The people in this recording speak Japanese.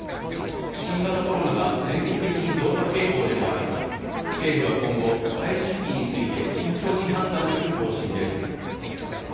新型コロナが全国的に増加傾向でもあり政府は今後、開始時期について慎重に判断する方針です。